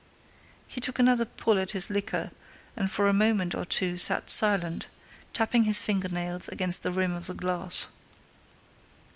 He took another pull at his liquor and for a moment or two sat silent, tapping his finger nails against the rim of the glass.